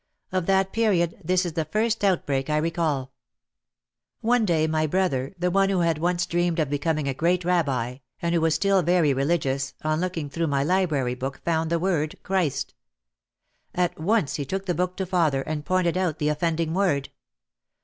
Of that period this is the first outbreak I recall. One day my brother, the one who had once dreamed of becoming a great Rabbi, and who was still very re ligious, on looking through my library book found the word Christ. At once he took the book to father and pointed out the offending word.